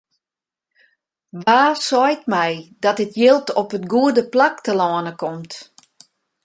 Wa seit my dat it jild op it goede plak telâne komt?